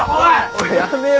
おいやめろ！